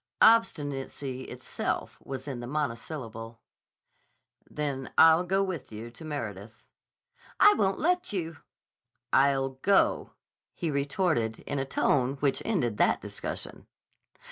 Obstinacy itself was in the monosyllable. "Then I'll go with you to Meredith." "I won't let you." "I'll go," he retorted in a tone which ended that discussion.